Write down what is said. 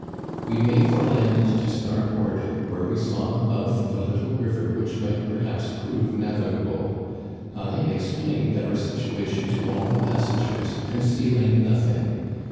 We made for land to starboard, where we saw the mouth of a little river which might perhaps prove navigable. I explained our situation to all the passengers, concealing nothing.